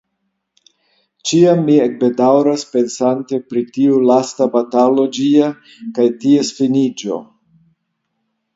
Ĉiam mi ekbedaŭras pensante pri tiu lasta batalo ĝia kaj ties finiĝo.